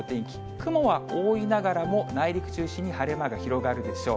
雲は多いながらも、内陸中心に晴れ間が広がるでしょう。